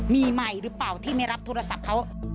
มีใหม่หรือเปล่าที่ไม่รับโทรศัพท์เขา